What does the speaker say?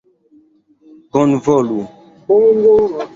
bonvolu